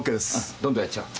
どんどんやっちゃおう。